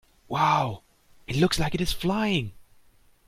Wow! It looks like it is flying!